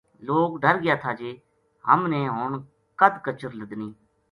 لوک ڈر گیا تھا جے ہم نے ہن کد کچر لَدنی